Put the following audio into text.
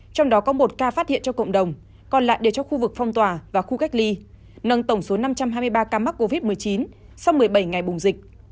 trong đó có một ca phát hiện cho cộng đồng còn lại đều cho khu vực phong tỏa và khu cách ly nâng tổng số năm trăm hai mươi ba ca mắc covid một mươi chín sau một mươi bảy ngày bùng dịch